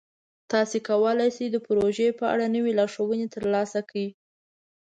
تاسو کولی شئ د پروژې په اړه نوې لارښوونې ترلاسه کړئ.